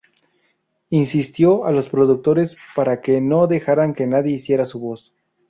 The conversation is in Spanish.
Insistió a los productores para que "no dejaran que nadie hiciera su voz".